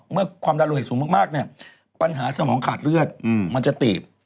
ความดันโลหิตสูงมากเนี่ยปัญหาสมองขาดเลือดมันจะตีบ